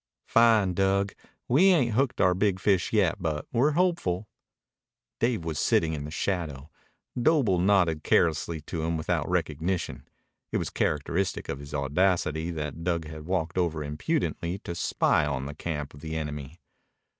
"Fine, Dug. We ain't hooked our big fish yet, but we're hopeful." Dave was sitting in the shadow. Doble nodded carelessly to him without recognition. It was characteristic of his audacity that Dug had walked over impudently to spy out the camp of the enemy.